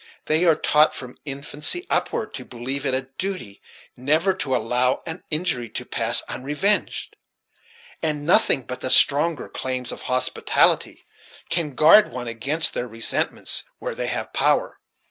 They are taught, from infancy upward, to believe it a duty never to allow an injury to pass unrevenged; and nothing but the stronger claims of hospitality can guard one against their resentments where they have power."